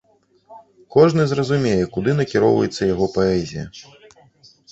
Кожны зразумее куды накіроўваецца яго паэзія.